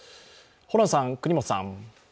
ホランさん、國本さん。